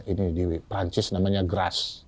ini di prancis namanya grasse